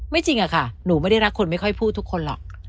จริงอะค่ะหนูไม่ได้รักคนไม่ค่อยพูดทุกคนหรอก